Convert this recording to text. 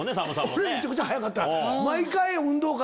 俺むちゃくちゃ速かった。